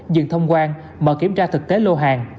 dừng thông quan mở kiểm tra thực tế lô hàng